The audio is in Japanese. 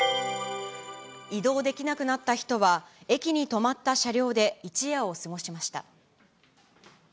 移動できなくなった人は、駅に止まった車両で一夜を過ごしました。